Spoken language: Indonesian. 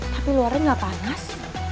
tapi luarnya gak panas